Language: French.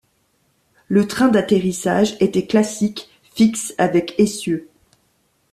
Le train d’atterrissage était classique, fixe, avec essieu.